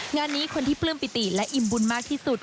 งานนี้คนที่ปลื้มปิติและอิ่มบุญมากที่สุด